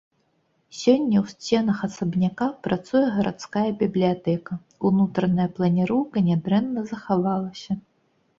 Сёння ў сценах асабняка працуе гарадская бібліятэка, унутраная планіроўка нядрэнна захавалася.